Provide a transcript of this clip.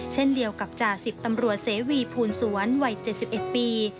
เช่นเดียวกับจ่าสิบตำรวจเสวีภูลสวนวัย๗๑ปี